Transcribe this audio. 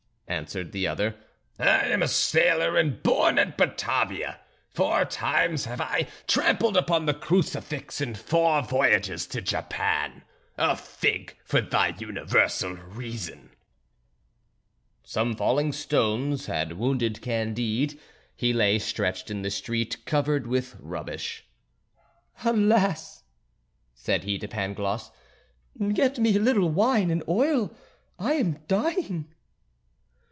answered the other; "I am a sailor and born at Batavia. Four times have I trampled upon the crucifix in four voyages to Japan; a fig for thy universal reason." Some falling stones had wounded Candide. He lay stretched in the street covered with rubbish. "Alas!" said he to Pangloss, "get me a little wine and oil; I am dying."